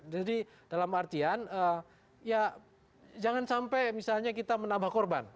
jadi dalam artian ya jangan sampai misalnya kita menambah korban